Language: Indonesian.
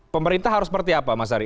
pemerintah harus seperti apa mas ari